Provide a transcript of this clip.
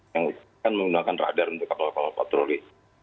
yang kan menggunakan radar untuk kapal kapal patroli